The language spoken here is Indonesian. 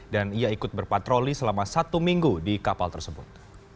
dan ia ikut berpatroli selama satu minggu di kapal tersebut